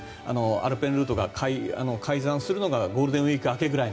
アルペンルートが開山するのがゴールデンウィーク明けぐらい。